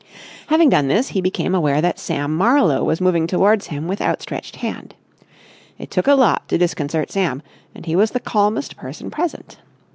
Having done this, he became aware that Sam Marlowe was moving towards him with outstretched hand. It took a lot to disconcert Sam, and he was the calmest person present.